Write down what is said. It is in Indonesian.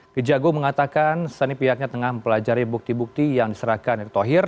kejagung mengatakan saat ini pihaknya tengah mempelajari bukti bukti yang diserahkan erick thohir